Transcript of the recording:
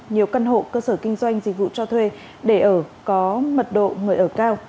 nhiều căn hộ cơ sở kinh doanh dịch vụ cho thuê để ở có mật độ người ở cao